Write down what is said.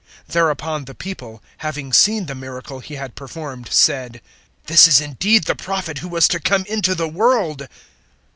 006:014 Thereupon the people, having seen the miracle He had performed, said, "This is indeed the Prophet who was to come into the world."